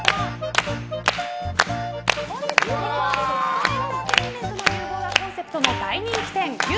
食とエンターテインメントの融合がコンセプトの大人気店牛